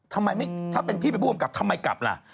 ถ้าเป็นพี่บริกภาพผู้กำกับทำไมกลับล่ะ